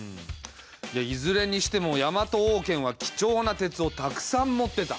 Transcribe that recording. いずれにしてもヤマト王権は貴重な鉄をたくさん持ってた。